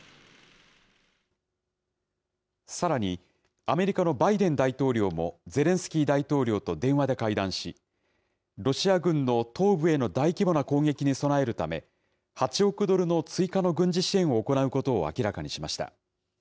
さらに、アメリカのバイデン大統領もゼレンスキー大統領と電話で会談し、ロシア軍の東部への大規模な攻撃に備えるため、８億ドルの追加の軍事支援を行うことを明らかにしました。